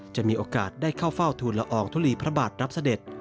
จะมีโอกาสได้เข้าเฝ้าทูลละอองทุลีพระบาทรับเสด็จ